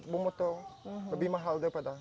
bomotong lebih mahal daripada